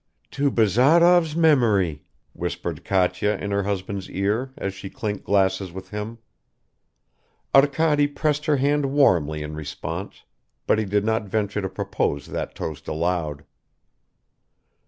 "To Bazarov's memory," whispered Katya in her husband's ear as she clinked glasses with him. Arkady pressed her hand warmly in response, but he did not venture to propose that toast aloud.